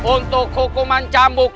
untuk hukuman cambuk